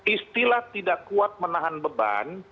istilah tidak kuat menahan beban